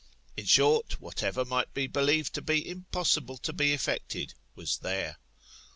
In short, whatever might be believed to be impossible to be effected, was there.